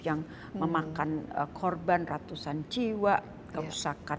yang memakan korban ratusan jiwa kerusakan